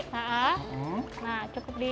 nah cukup di